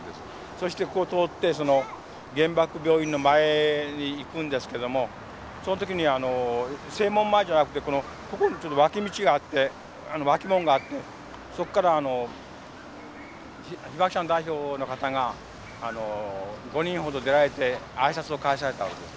そしてここを通ってその原爆病院の前に行くんですけどもその時には正門前じゃなくてこのここにちょっと脇道があって脇門があってそこからあの被爆者の代表の方が５人ほど出られて挨拶を交わされたわけです。